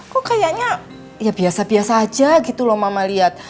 kok kayaknya ya biasa biasa aja gitu loh mama lihat